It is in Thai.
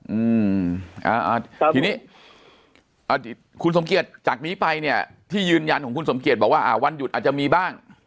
อืมอ่าอ่าทีนี้อ่าคุณสมเกียจจากนี้ไปเนี่ยที่ยืนยันของคุณสมเกียจบอกว่าอ่าวันหยุดอาจจะมีบ้าง